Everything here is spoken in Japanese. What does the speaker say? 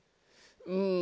うん。